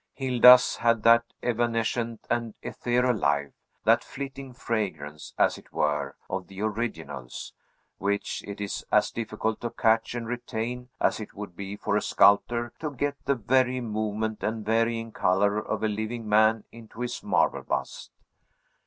Hilda's had that evanescent and ethereal life that flitting fragrance, as it were, of the originals which it is as difficult to catch and retain as it would be for a sculptor to get the very movement and varying color of a living man into his marble bust.